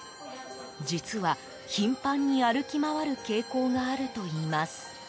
実は、頻繁に歩き回る傾向があるといいます。